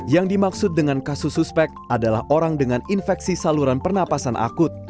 yang dimaksud dengan kasus suspek adalah orang dengan infeksi saluran pernapasan akut